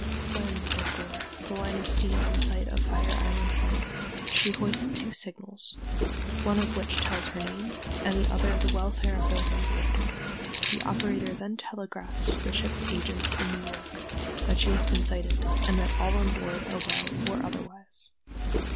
When, therefore, the liner steams in sight of Fire Island Light she hoists two signals, one of which tells her name and the other the welfare of those on board. The operator then telegraphs to the ship's agents in New York that she has been sighted, and that all on board are well or otherwise.